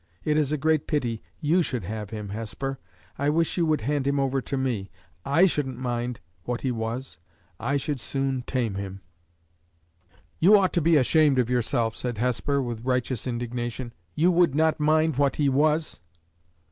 It is a great pity you should have him, Hesper. I wish you would hand him over to me. I shouldn't mind what he was. I should soon tame him." "You ought to be ashamed of yourself," said Hesper, with righteous indignation. "_You would not mind what he was!